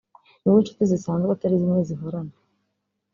Mube inshuti zisanzwe atari zimwe zihorana